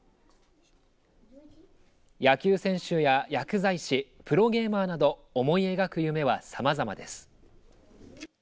野球選手や薬剤師プロゲーマーなど思い描く夢はさまざまです。